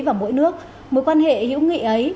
và mỗi nước mối quan hệ hữu nghị ấy